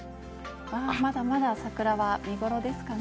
まだまだ桜は見頃ですかね。